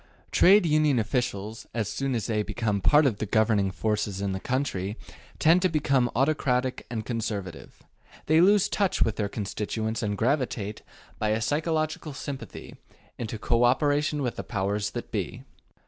Trade Union officials, as soon as they become part of the governing forces in the country, tend to become autocratic and conservative; they lose touch with their constituents and gravitate, by a psychological sympathy, into co operation with the powers that be.